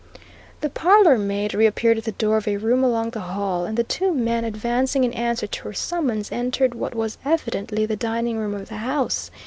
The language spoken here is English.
The parlour maid reappeared at the door of a room along the hall; and the two men, advancing in answer to her summons, entered what was evidently the dining room of the house.